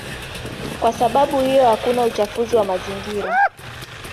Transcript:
Kwa sababu hiyo hakuna uchafuzi wa mazingira.